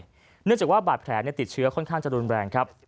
เนื่องจากว่าบาดแผลติดเชื้อค่อนข้างจะรุนแรงครับ